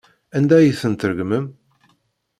Anda ay ten-tregmem?